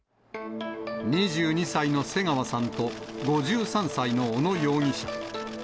２２歳の瀬川さんと５３歳の小野容疑者。